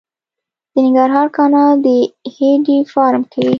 د ننګرهار کانال د هډې فارم کې